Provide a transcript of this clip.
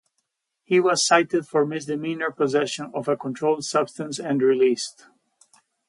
He was cited for misdemeanor possession of a controlled substance and released.